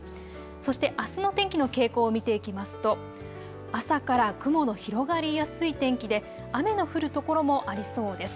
そしてあすの天気の傾向を見ていきますと朝から雲の広がりやすい天気で雨の降る所もありそうです。